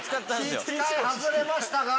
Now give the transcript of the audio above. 一回外れましたが。